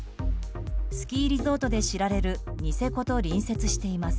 スキーリゾートで知られるニセコと隣接しています。